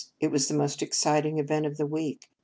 It was the most exciting event of the week.